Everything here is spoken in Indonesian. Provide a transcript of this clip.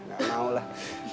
gak mau lah